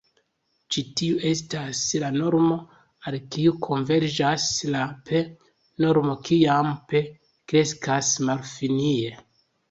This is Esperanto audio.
Ĉi tiu estas la normo al kiu konverĝas la "p"-normo kiam "p" kreskas malfinie.